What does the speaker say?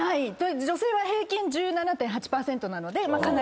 ⁉女性は平均１７．８％なのでかなり高い。